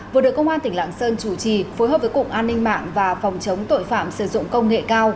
vừa được công an tỉnh lạng sơn chủ trì phối hợp với cục an ninh mạng và phòng chống tội phạm sử dụng công nghệ cao